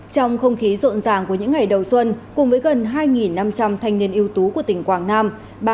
trong không khí rộn ràng của những ngày đầu xuân cùng với gần hai năm trăm linh thanh niên ưu tú của tỉnh quảng nam